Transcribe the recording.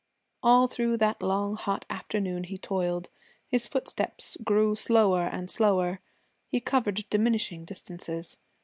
All through that long hot afternoon he toiled. His footsteps grew slower and slower; he covered diminishing distances.